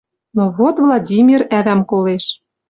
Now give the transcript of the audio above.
Но вот Владимир ӓвӓм колеш.